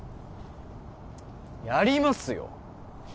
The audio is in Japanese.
やりますよ！